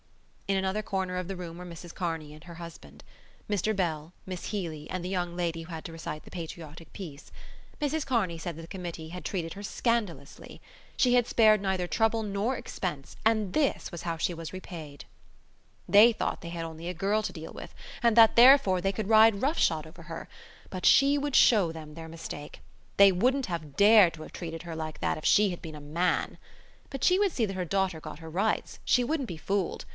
In another corner of the room were Mrs Kearney and her husband, Mr Bell, Miss Healy and the young lady who had to recite the patriotic piece. Mrs Kearney said that the Committee had treated her scandalously. She had spared neither trouble nor expense and this was how she was repaid. They thought they had only a girl to deal with and that, therefore, they could ride roughshod over her. But she would show them their mistake. They wouldn't have dared to have treated her like that if she had been a man. But she would see that her daughter got her rights: she wouldn't be fooled.